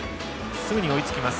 すぐに追いつきます。